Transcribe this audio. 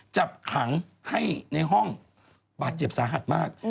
จับขังให้ในห้องบาดเจ็บสาหัสมาก